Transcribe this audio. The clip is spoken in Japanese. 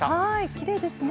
きれいですね。